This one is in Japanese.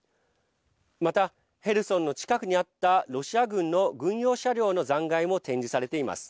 また、ヘルソンの近くにあったロシア軍の軍用車両の残骸も展示されています。